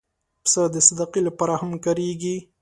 پسه د صدقې لپاره هم کارېږي.